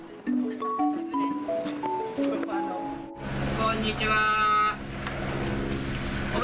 こんにちは。